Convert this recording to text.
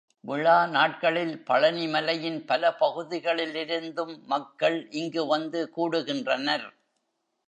விழா நாட்களில் பழனிமலையின் பல பகுதியிலிருந்தும் மக்கள் இங்கு வந்து கூடு கின்றனர்.